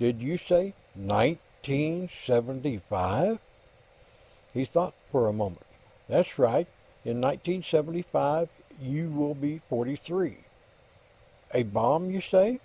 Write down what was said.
"Did you say nineteen seventy five?" He thought for a moment. "That's right; in 1975, you will be forty three. A bomb, you say?"